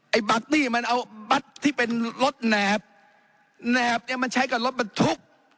ไอบัสนี่มันเอาบัสที่เป็นรถแหนบแหนบนี้มันใช้กับรถมันทุกข์